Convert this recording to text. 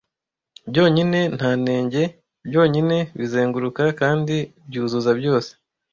Byonyine nta nenge, byonyine bizenguruka kandi byuzuza byose,